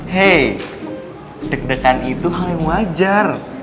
hei deg degan itu hal yang wajar